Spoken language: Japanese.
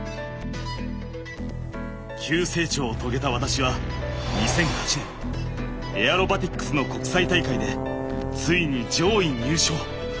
急成長を遂げた私は２００８年エアロバティックスの国際大会でついに上位入賞。